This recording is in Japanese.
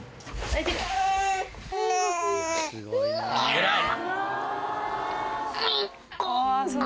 偉い。